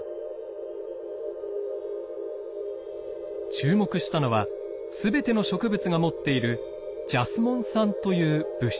注目したのは全ての植物が持っているジャスモン酸という物質です。